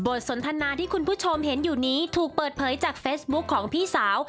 สนทนาที่คุณผู้ชมเห็นอยู่นี้ถูกเปิดเผยจากเฟซบุ๊คของพี่สาว